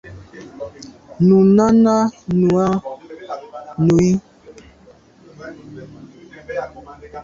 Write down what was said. Nu Nana nu am à nu i.